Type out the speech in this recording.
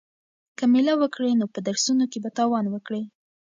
که مېله وکړې نو په درسونو کې به تاوان وکړې.